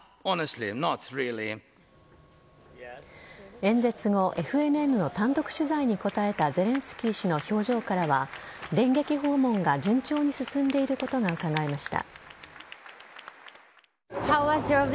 演説後ＦＮＮの単独取材に答えたゼレンスキー氏の表情からは電撃訪問が順調に進んでいることがうかがえました。